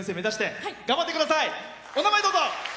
お名前、どうぞ。